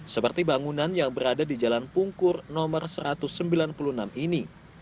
seperti bangunan yang berada di jalan pungkur nomor satu ratus sembilan puluh enam ini